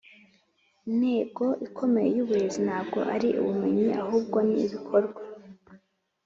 intego ikomeye yuburezi ntabwo ari ubumenyi ahubwo ni ibikorwa.